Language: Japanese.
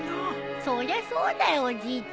そりゃそうだよおじいちゃん。